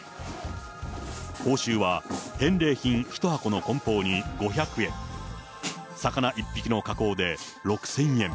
報酬は返礼品１箱のこん包に５００円、魚１匹の加工で６０００円。